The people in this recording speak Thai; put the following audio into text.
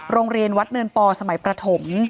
โรงเรียนวัดเนินปอสมัยประถม